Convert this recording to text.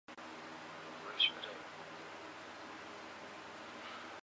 是天主教横滨教区的主教座堂。